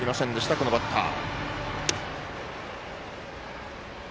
このバッター。